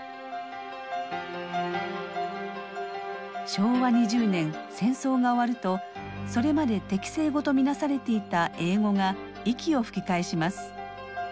昭和２０年戦争が終わるとそれまで敵性語と見なされていた英語が息を吹き返します。